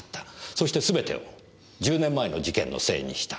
そしてすべてを１０年前の事件のせいにした。